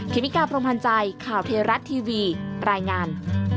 เมกาพรมพันธ์ใจข่าวเทราะทีวีรายงาน